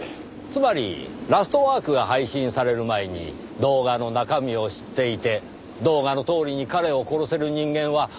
つまり『ラストワーク』が配信される前に動画の中身を知っていて動画のとおりに彼を殺せる人間はただ１人。